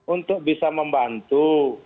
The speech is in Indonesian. untuk bisa membantu